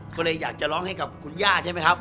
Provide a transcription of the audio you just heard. ก็เลยอยากจะร้องให้กับคุณย่าใช่ไหมครับ